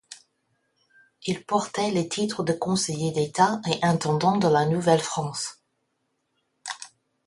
Il portait les titres de Conseiller d’État et Intendant de la Nouvelle-France.